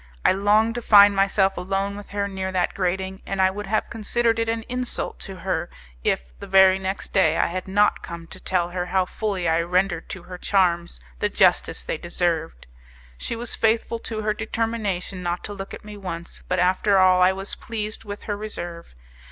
I longed to find myself alone with her near that grating, and I would have considered it an insult to her if, the very next day, I had not come to tell her how fully I rendered to her charms the justice they deserved. She was faithful to her determination not to look at me once, but after all I was pleased with her reserve.